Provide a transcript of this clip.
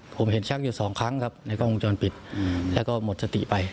ผมเห็นชักอยู่สองครั้งครับในกล้องวงจรปิดแล้วก็หมดสติไป